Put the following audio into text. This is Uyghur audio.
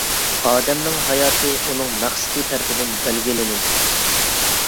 ئادەمنىڭ ھاياتى ئۇنىڭ مەقسىتى تەرىپىدىن بەلگىلىنىدۇ.